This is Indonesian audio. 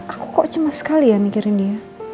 aku kok cemas sekali ya mikirin dia